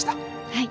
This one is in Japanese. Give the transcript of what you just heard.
はい。